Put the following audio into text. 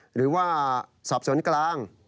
หรือว่าสอบสวนกลาง